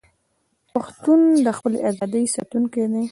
پښتون د خپلې ازادۍ ساتونکی دی.